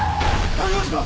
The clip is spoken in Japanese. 大丈夫ですか！